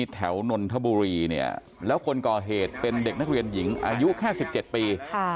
นนทบุรีเนี่ยแล้วคนก่อเหตุเป็นเด็กนักเรียนหญิงอายุแค่๑๗ปี